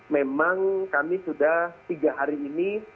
memang kami sudah tiga hari ini